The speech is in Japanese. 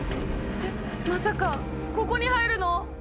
えっまさかここに入るの！？